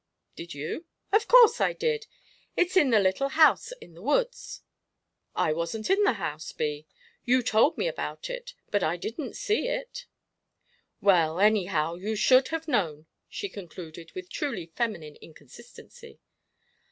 "Did you?" "Of course I did it's in the little house in the woods." "I wasn't in the house, Bee you told me about it, but I didn't see it." "Well, anyhow, you should have known," she concluded, with truly feminine inconsistency.